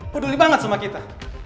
peduli banget sama kita